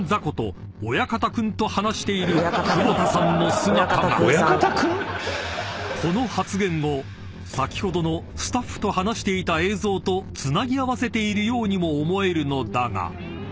［そこに映っていたのは何と］オヤカタくん⁉［この発言を先ほどのスタッフと話していた映像とつなぎ合わせているようにも思えるのだが］